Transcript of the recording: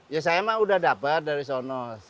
ya saya mah udah dapat dari sono